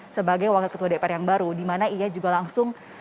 sebagai wakil ketua dpr yang baru dimana ia juga langsung menyatakan begitu